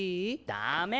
ダメ！